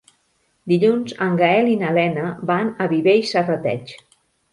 Dilluns en Gaël i na Lena van a Viver i Serrateix.